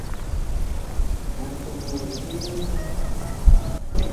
Mag somoo linyu limindim.